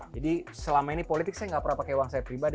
jadi selama ini politik saya nggak pernah pakai uang saya pribadi